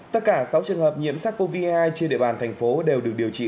tất cả sáu trường hợp nhiễm sars cov hai trên địa bàn thành phố đều được điều trị